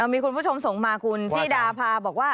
มีคุณผู้ชมส่งมาคุณซี่ดาพาบอกว่า